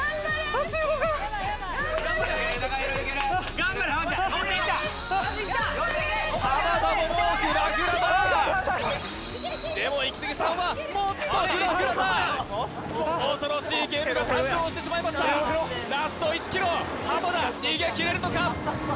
オッケーいった田ももうフラフラだでもイキスギさんはもっとフラフラだ恐ろしいゲームが誕生してしまいましたラスト１キロ田逃げ切れるのか？